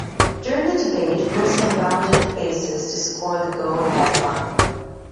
During the debate, Wilson rounded the bases to score the go-ahead run.